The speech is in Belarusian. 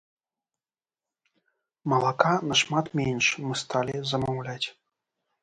Малака нашмат менш мы сталі замаўляць.